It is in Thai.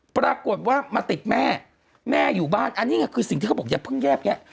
ปรากฏว่ามาติดแม่แม่อยู่บ้านอันนี้ไงคือสิ่งที่เขาบอกอย่าเพิ่งแยกแยะ